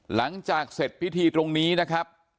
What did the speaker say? หลังจากเสร็จพิธีตรงนี้นะครับ